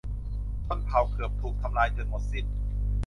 ชนเผ่าเกือบถูกทำลายจนหมดสิ้น